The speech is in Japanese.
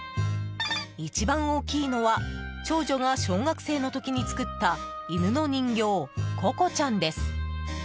一番大きいのは長女が小学生の時に作った犬の人形、ココちゃんです。